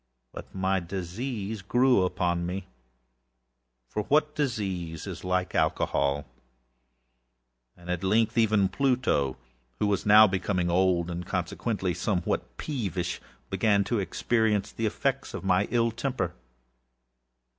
But my disease grew upon meâfor what disease is like Alcohol!âand at length even Pluto, who was now becoming old, and consequently somewhat peevishâeven Pluto began to experience the effects of my ill temper.